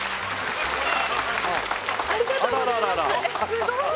すごーい